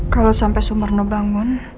kalau sampai soumarno bangun